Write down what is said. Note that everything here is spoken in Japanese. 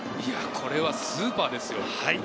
これはスーパーですよ。